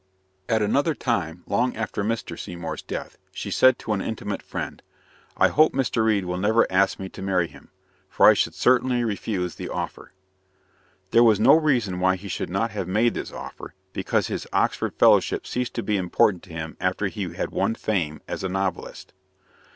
At another time, long after Mr. Seymour's death, she said to an intimate friend: "I hope Mr. Reade will never ask me to marry him, for I should certainly refuse the offer." There was no reason why he should not have made this offer, because his Oxford fellowship ceased to be important to him after he had won fame as a novelist.